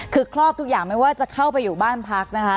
คือครอบทุกอย่างไม่ว่าจะเข้าไปอยู่บ้านพักนะคะ